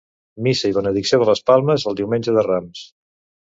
Missa i benedicció de les Palmes el Diumenge de Rams.